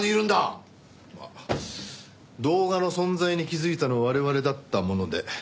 まあ動画の存在に気づいたの我々だったもので。